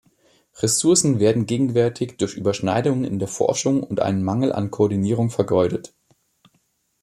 Ressourcen werden gegenwärtig durch Überschneidungen in der Forschung und einen Mangel an Koordinierung vergeudet.